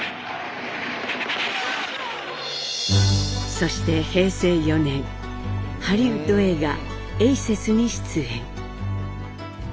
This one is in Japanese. そして平成４年ハリウッド映画「エイセス」に出演。